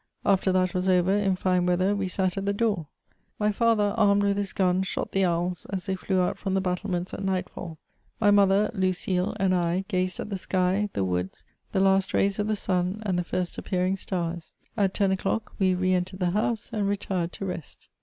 After that was over, in fine weather, we sat at the door. My father, armed with his gun, shot the owls as they flew out from the battlements at nightfall. My mother, Lucile and I, gazed at the sky, the woods, the last rays of the sun, and the first appearing stars. At ten o'clock, we re entered the house, and retired to rest.